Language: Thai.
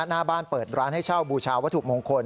หน้าบ้านเปิดร้านให้เช่าบูชาวัตถุมงคล